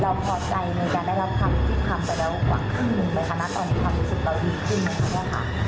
เราพอใจในการได้รับความรู้สึกที่พร้อมไปแล้วกว่าคุณไปคำนัดต่อมีความรู้สึกต่อดีขึ้นไหมครับค่ะ